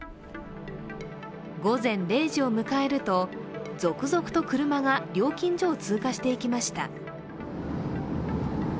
午前０時を迎えると続々と車が料金所を通過していきました。